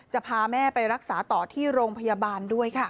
จะพาแม่ไปรักษาต่อที่โรงพยาบาลด้วยค่ะ